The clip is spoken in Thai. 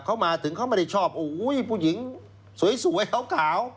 เขามาถึงเขาไม่ได้ชอบโอ้โหผู้หญิงสวยขาว